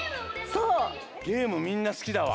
ゲームみんなすきだわ。